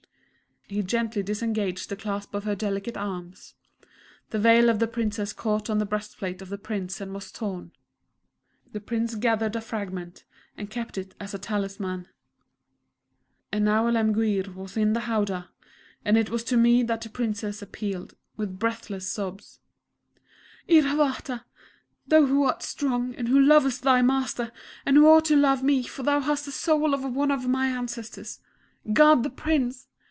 He gently disengaged the clasp of her delicate arms. The veil of the Princess caught on the breastplate of the Prince and was torn. The Prince gathered a fragment, and kept it as a talisman. And now Alemguir was in the howdah, and it was to me that the Princess appealed, with breathless sobs. "Iravata, thou who art strong, and who lovest thy Master, and who ought to love me, for thou hast the soul of one of my Ancestors.... Guard the Prince!